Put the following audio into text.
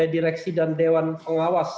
direksi dan dewan pengawas